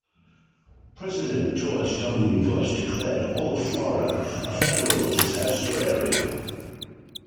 President George W. Bush declared all of Florida a federal disaster area.